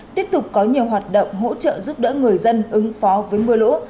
tiếp tục có nhiều hoạt động hỗ trợ giúp đỡ người dân ứng phó với mưa lũ